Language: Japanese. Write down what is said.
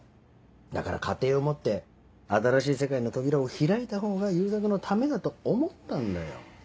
だから家庭を持って新しい世界の扉を開いた方が悠作のためだと思ったんだよ。